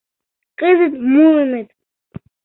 Кызыт муыныт.